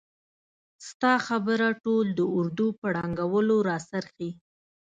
ستا خبره ټول د اردو په ړنګولو را څرخیږي!